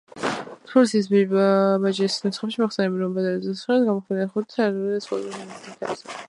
თბილისის ბაჟის ნუსხებში მოხსენიებულია, რომ ბაზარზე ხშირად გამოჰქონდათ ზუთხი, ორაგული და სხვა ნედლი თევზი.